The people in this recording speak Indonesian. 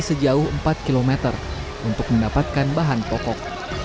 sejauh empat km untuk mendapatkan bahan pokok